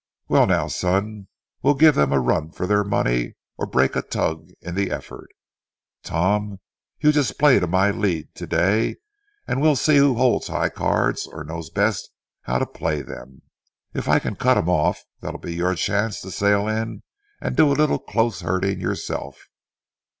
Well, now, son, we'll give them a run for their money or break a tug in the effort. Tom, just you play to my lead to day and we'll see who holds the high cards or knows best how to play them. If I can cut him off, that'll be your chance to sail in and do a little close herding yourself."